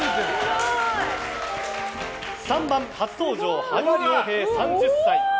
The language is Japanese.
３番、初登場芳賀涼平、３０歳。